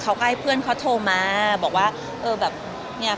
เขาก็ให้เพื่อนเขาโทรมาบอกว่าเออแบบเนี่ย